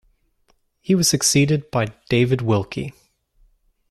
He was succeeded by David Wilkie.